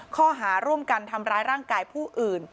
ข้อหาร่วมกันทำร้ายร่างกายผู้อื่น